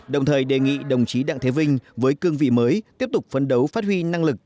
đồng thời đề nghị đồng chí đặng thế vinh với cương vị mới tiếp tục phấn đấu phát huy năng lực